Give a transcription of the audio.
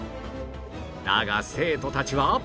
だが生徒たちは